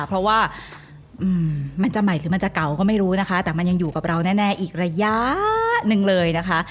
เพราะว่ามันจะใหม่หรือมันจะเก่าก็ไม่รู้นะคะแต่มันยังอยู่กับเราแน่อีกระยะหนึ่งเลยนะคะ